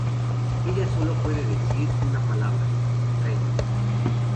Ella solo puede decir una palabra "Ren".